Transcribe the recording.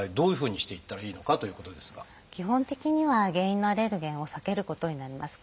基本的には原因のアレルゲンを避けることになります。